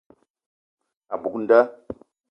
A buk nda.